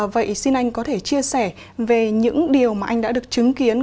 vậy xin anh có thể chia sẻ về những điều mà anh đã được chứng kiến